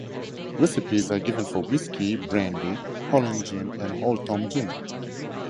Recipes are given for Whiskey, Brandy, Holland gin, and Old Tom gin.